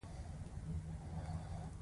دے زما پۀ وېزه خفه کيږي